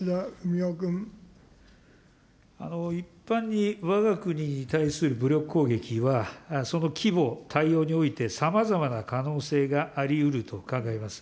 一般に、わが国に対する武力攻撃は、その規模、態様においてさまざまな可能性がありうると考えます。